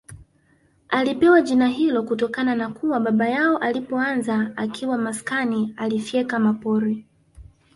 Alipewa jina hilo kutokana na kuwa baba yao alipoanza akiwa maskani alifyeka mapori